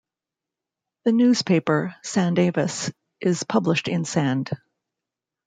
The newspaper "Sande Avis" is published in Sande.